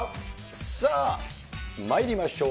さあ、まいりましょう。